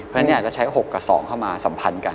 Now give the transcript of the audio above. เพราะฉะนั้นจะใช้๖กับ๒เข้ามาสัมพันธ์กัน